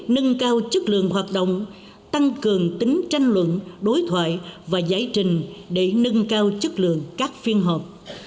nâng cao chất lượng hoạt động tăng cường tính tranh luận đối thoại và giải trình để nâng cao chất lượng các phiên họp